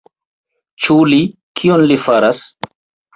Ĉu li... kion li faras?